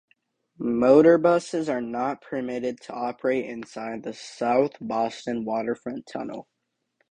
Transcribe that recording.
Motor buses are not permitted to operate inside the South Boston Waterfront Tunnel.